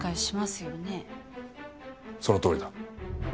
そのとおりだ。